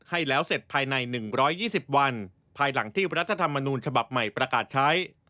ให้แล้วเสร็จภายใน๑๒๐วันภายหลังที่รัฐธรรมนูญฉบับใหม่ประกาศใช้